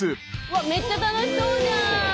めっちゃ楽しそうじゃん！